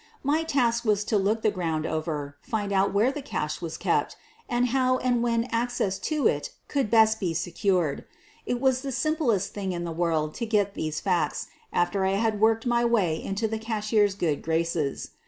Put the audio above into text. My task was to look the ground over, find out where the cash was kept, and how and when access to it could best be secured. It was the simplest thing in the world to get these facts after I had worked my way into the cashier's good graces.